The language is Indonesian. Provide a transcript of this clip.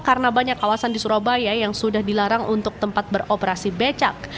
karena banyak kawasan di surabaya yang sudah dilarang untuk tempat beroperasi becak